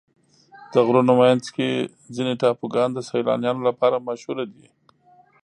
د غرونو منځ کې ځینې ټاپوګان د سیلانیانو لپاره مشهوره دي.